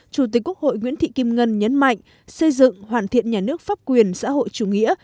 chủ tịch quốc hội nguyễn thị kim ngân nhấn mạnh xây dựng hoàn thiện nhà nước pháp quyền xã hội chủ nghĩa